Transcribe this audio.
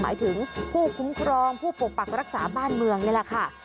หมายถึงผู้คุ้มครองผู้ปกปักรักษาบ้านเมืองนี่แหละค่ะ